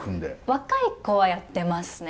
若い子はやってますね。